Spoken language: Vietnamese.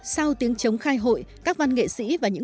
sau tiếng chống khai hội các văn nghệ sĩ và những người yêu thương